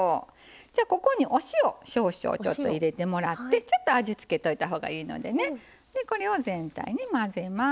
ここにお塩少々入れてもらってちょっと味付けといたほうがいいのでこれを全体に混ぜます。